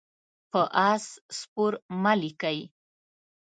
په آس سپور مه لیکئ.